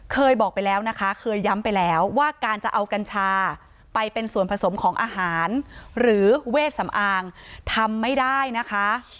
เคยบอกไปแล้วนะคะเคยย้ำไปแล้วว่าการจะเอากัญชาไปเป็นส่วนผสมของอาหารหรือเวทสำอางทำไม่ได้นะคะ